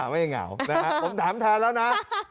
ไม่เหงาผมถามแทนแล้วนะ